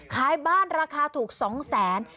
ขายบ้านราคาถูก๒๐๐๐๐๐บาท